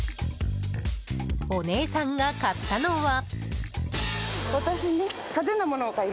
お姉さんが買ったのは。